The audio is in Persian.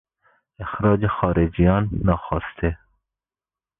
اخراج خارجیان ناخواسته